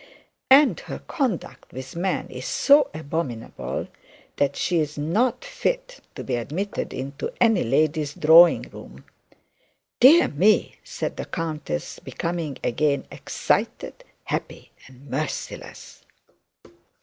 'And her conduct with men is abominable, that she is not fit to be admitted into any lady's drawing room.' 'Dear me!' said the countess, becoming again excited, happy, and merciless.